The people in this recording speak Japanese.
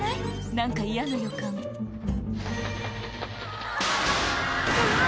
何か嫌な予感うわ！